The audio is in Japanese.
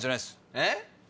えっ？